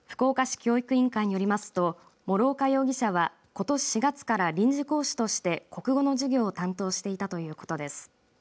教育委員会によりますと諸岡容疑者は、ことし４月から臨時講師として国語の授業を担当していたということです。